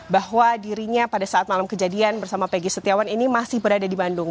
bahwa dirinya pada saat malam kejadian bersama peggy setiawan ini masih berada di bandung